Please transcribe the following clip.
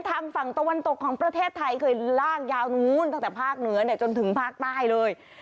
ทางฝั่งตะวันตกของประเทศไทยเคยลากยาวนู้นตั้งแต่ภาคเหนือจนถึงภาคใต้เลย